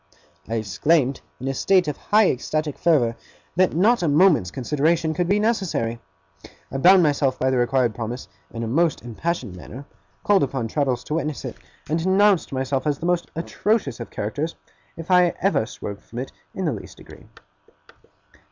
I exclaimed, in a state of high ecstatic fervour, that not a moment's consideration could be necessary. I bound myself by the required promise, in a most impassioned manner; called upon Traddles to witness it; and denounced myself as the most atrocious of characters if I ever swerved from it in the least degree.